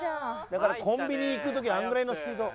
だからコンビニ行く時はあのぐらいのスピード。